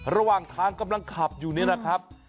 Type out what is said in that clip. ระหว่างทางกำลังขับอยู่นี่นะครับ